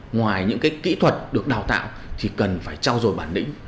ngoài những kỹ thuật được đào tạo thì cần phải trao dồi bản lĩnh